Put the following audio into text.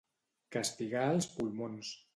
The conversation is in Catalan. Castigar els pulmons.